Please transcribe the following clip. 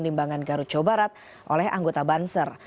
limbangan garut cobarat oleh anggota banser